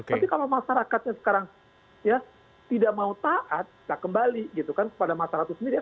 tapi kalau masyarakatnya sekarang ya tidak mau taat ya kembali gitu kan kepada masyarakat itu sendiri